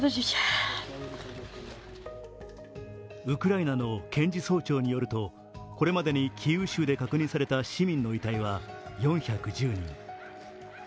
ウクライナの検事総長によるとこれまでにキーウ州で確認された市民の遺体は４１０人。